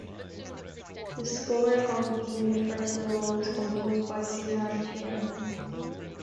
The score accompanying the first logo was composed by Suzanne Ciani.